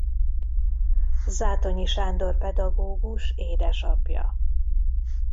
Zátonyi Sándor pedagógus édesapja.